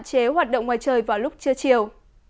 hạn chế hoạt động ngoài trời vào lúc trưa chiều